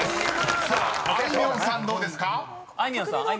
［さああいみょんさんどうですか？］